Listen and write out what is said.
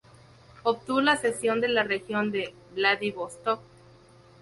Obtuvo la cesión de la región de Vladivostok.